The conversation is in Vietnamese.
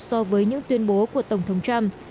so với những tuyên bố của tổng thống trump